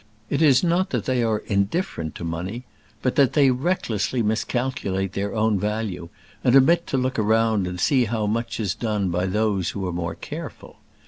It is not that they are indifferent to money, but that they recklessly miscalculate their own value, and omit to look around and see how much is done by those who are more careful.